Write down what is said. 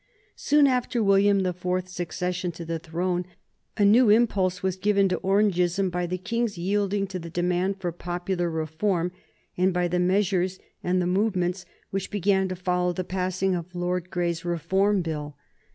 Soon after William the Fourth's accession to the throne a new impulse was given to Orangeism by the King's yielding to the demand for popular reform, and by the measures and the movements which began to follow the passing of Lord Grey's Reform Bill.